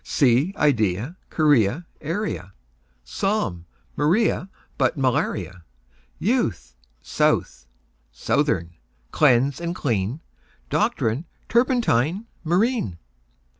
Sea, idea, guinea, area, Psalm; Maria, but malaria; Youth, south, southern; cleanse and clean; Doctrine, turpentine, marine.